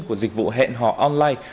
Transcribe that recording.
của dịch vụ hẹn họ online